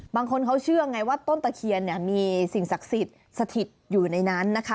บางคนเขาเชื่อไงว่าต้นตะเคียนเนี่ยมีสิ่งศักดิ์สิทธิ์สถิตอยู่ในนั้นนะคะ